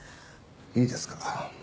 いいですか？